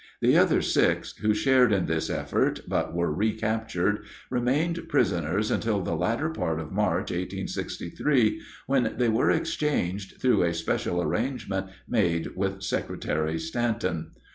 The other six who shared in this effort, but were recaptured, remained prisoners until the latter part of March, 1863, when they were exchanged through a special arrangement made with Secretary Stanton.